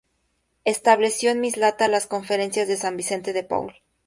Estableció en Mislata las Conferencias de San Vicente de Paúl.